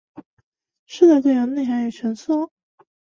吃的更有内涵与层次喔！